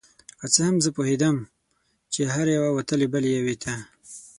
که څه هم زه پوهیدم چې هره یوه وتلې بلې یوې ته